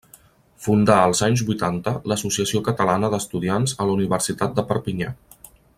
Fundà als anys vuitanta l'Associació Catalana d'Estudiants a la Universitat de Perpinyà.